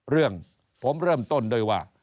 เรื่องผมเริ่มต้นด้วยว่า